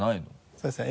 そうですね